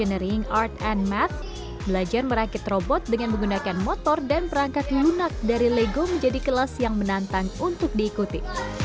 enering art and match belajar merakit robot dengan menggunakan motor dan perangkat lunak dari lego menjadi kelas yang menantang untuk diikuti